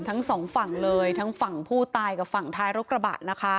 ทั้งสองฝั่งเลยทั้งฝั่งผู้ตายกับฝั่งท้ายรถกระบะนะคะ